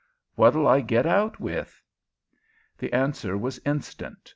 What'll I get out with?" The answer was instant.